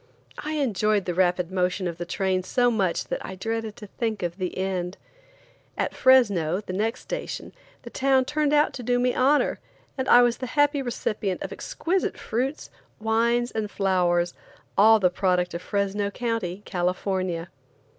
I enjoyed the rapid motion of the train so much that I dreaded to think of the end. At Fresno, the next station, the town turned out to do me honor, and I was the happy recipient of exquisite fruits, wines and flowers, all the product of Fresno County, California.